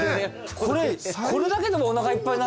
これだけでもおなかいっぱいになるね。